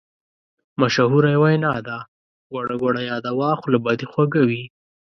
مشهوره وینا ده: ګوړه ګوړه یاده وه خوله به دې خوږه وي.